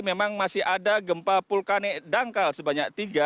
memang masih ada gempa vulkanik dangkal sebanyak tiga